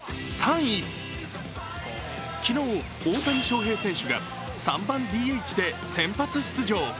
昨日、大谷翔平選手が３番・ＤＨで先発出場。